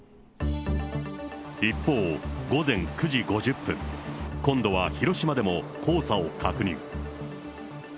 一方、午前９時５０分、今度は広島でも、黄砂を確認。